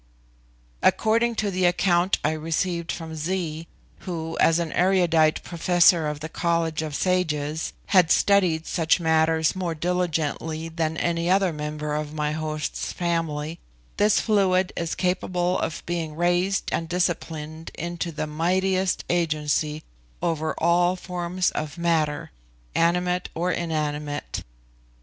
According to the account I received from Zee, who, as an erudite professor of the College of Sages, had studied such matters more diligently than any other member of my host's family, this fluid is capable of being raised and disciplined into the mightiest agency over all forms of matter, animate or inanimate.